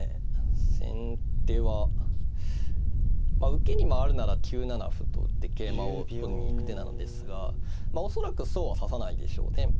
先手は受けに回るなら９七歩と打って桂馬を取りに行く手なのですが恐らくそうは指さないでしょうね。